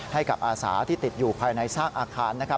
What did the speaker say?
อาสาที่ติดอยู่ภายในซากอาคารนะครับ